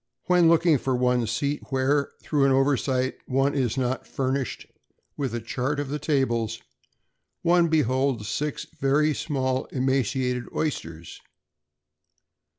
When looking for one's seat, where, through an oversight, one is not furnished with a chart of the tables, one beholds six very small emaciated oysters.